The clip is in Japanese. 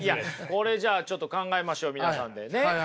これじゃあちょっと考えましょう皆さんで。ね。